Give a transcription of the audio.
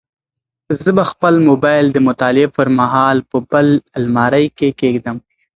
زه به خپل موبایل د مطالعې پر مهال په بل المارۍ کې کېږدم.